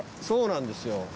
そうなんですよ。